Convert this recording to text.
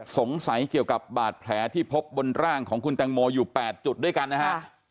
สงสัยเกี่ยวกับบาดแผลที่พบบนร่างของคุณแตงโมอยู่๘จุดด้วยกันนะฮะ